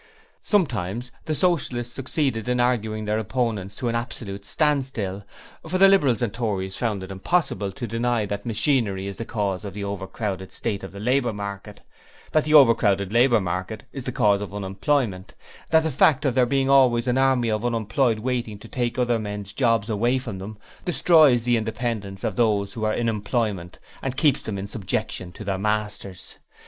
Sometimes the Socialists succeeded in arguing their opponents to an absolute standstill, for the Liberals and Tones found it impossible to deny that machinery is the cause of the overcrowded state of the labour market; that the overcrowded labour market is the cause of unemployment; that the fact of there being always an army of unemployed waiting to take other men's jobs away from them destroys the independence of those who are in employment and keeps them in subjection to their masters.